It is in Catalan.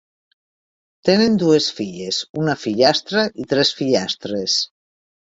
Tenen dues filles, una fillastra i tres fillastres.